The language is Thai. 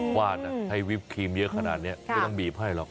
ฟาดนะให้วิปครีมเยอะขนาดนี้ไม่ต้องบีบให้หรอก